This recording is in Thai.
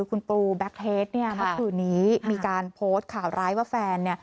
คุณปูแบ็คเฮดเนี่ยเมื่อคืนนี้มีการโพสต์ข่าวร้ายว่าแฟน